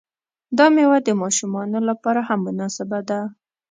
دا میوه د ماشومانو لپاره هم مناسبه ده.